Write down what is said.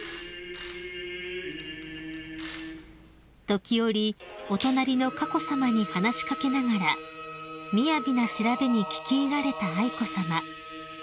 ［時折お隣の佳子さまに話し掛けながらみやびな調べに聞き入られた愛子さま］